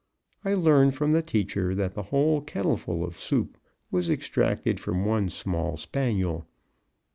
I learned from the teacher that the whole kettleful of soup was extracted from one small spaniel.